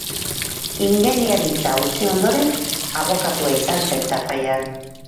Ingeniaritza utzi ondoren, abokatu izan zen Tafallan.